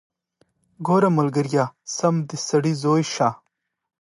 ګوره ملګريه سم د سړي زوى شه.